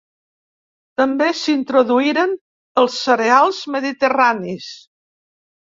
També s'introduïren els cereals mediterranis.